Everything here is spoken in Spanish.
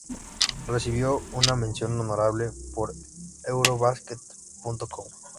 Recibió una "mención honorable" por Eurobasket.com.